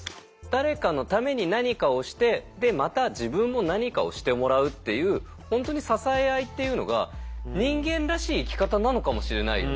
誰かのために何かをしてでまた自分も何かをしてもらうという本当に支え合いっていうのが人間らしい生き方なのかもしれないよね。